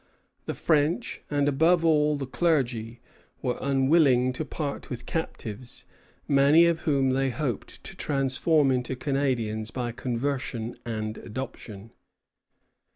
The French, and above all the clergy, were unwilling to part with captives, many of whom they hoped to transform into Canadians by conversion and adoption.